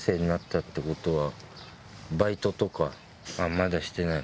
まだしてない？